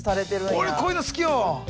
俺こういうの好きよ。